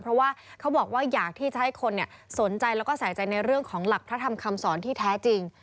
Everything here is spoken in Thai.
เพราะว่าเขาบอกว่าอยากที่จะให้คนสนใจแล้วก็ใส่ใจในเรื่องของหลักพระธรรมคำสอนที่แท้จริง